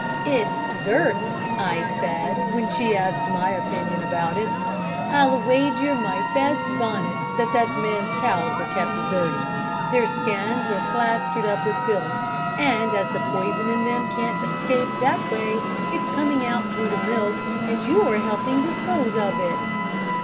'It's dirt,' I said, when she asked my opinion about it. 'I'll wager my best bonnet that that man's cows are kept dirty. Their skins are plastered up with filth, and as the poison in them can't escape that way it's coming out through the milk, and you're helping to dispose of it.'